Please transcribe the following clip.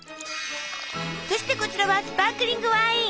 そしてこちらはスパークリングワイン！